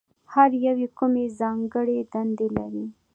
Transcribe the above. هر یو یې کومې ځانګړې دندې لري؟